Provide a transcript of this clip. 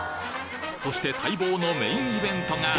そして待望のメインイベントが。